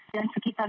dan sekitar dua